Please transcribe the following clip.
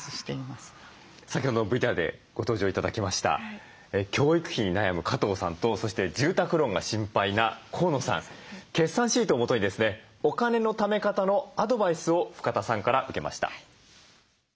先ほどのＶＴＲでご登場頂きました教育費に悩む加藤さんとそして住宅ローンが心配な河野さん決算シートをもとにですねお金のため方のアドバイスを深田さんから受けました。